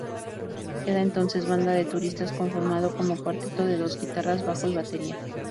Queda entonces Banda de Turistas conformado como cuarteto de dos guitarras, bajo y batería.